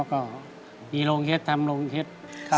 ก็มีโรงเทศทำโรงเทศครับ